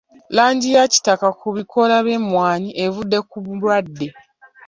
Langi ya kitaka ku bikoola by'emmwanyi evudde ku bulwadde.